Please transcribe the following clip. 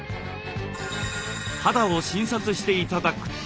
肌を診察して頂くと。